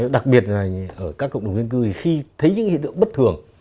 đặc biệt là ở các cộng đồng viên cư thì khi thấy những hiện tượng bất thường